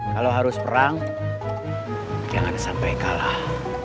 kalau harus perang jangan sampai kalah